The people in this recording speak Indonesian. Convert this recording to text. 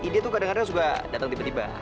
dia tuh kadang kadang juga datang tiba tiba